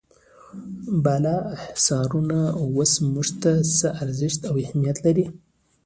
بالا حصارونه اوس موږ ته څه ارزښت او اهمیت لري.